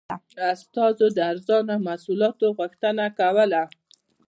استازو د ارزانه محصولاتو غوښتنه کوله.